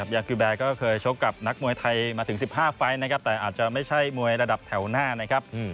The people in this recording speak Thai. ยากิแบร์ก็เคยชกกับนักมวยไทยมาถึง๑๕ไฟล์นะครับแต่อาจจะไม่ใช่มวยระดับแถวหน้านะครับ